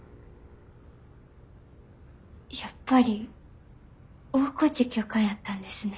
やっぱり大河内教官やったんですね。